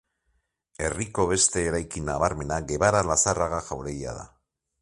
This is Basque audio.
Herriko beste eraikin nabarmena Gebara-Lazarraga jauregia da.